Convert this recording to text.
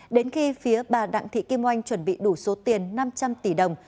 đến khi phía bà đặng thị kim oanh chuẩn bị đủ số tiền năm trăm linh tỷ đồng